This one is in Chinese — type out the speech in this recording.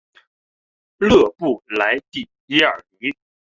勒布莱蒂耶尔里。